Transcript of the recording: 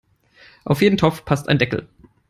Auf jeden Topf passt ein Deckel.